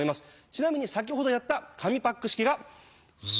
ちなみに先ほどやった紙パック式が。